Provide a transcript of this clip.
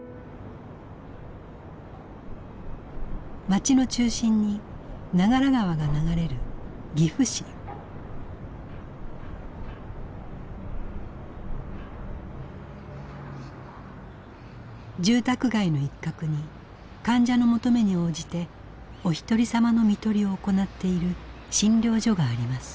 街の中心に長良川が流れる住宅街の一角に患者の求めに応じておひとりさまの看取りを行っている診療所があります。